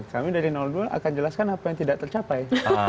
kami dari dua akan jelaskan apa yang tidak tercapai